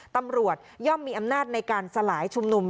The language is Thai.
ตำรวจย่อมมีอำนาจในการสลายชุมนุม